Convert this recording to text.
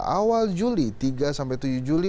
awal juli tiga sampai tujuh juli